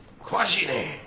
詳しいね！